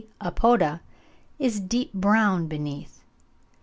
apoda is deep brown beneath.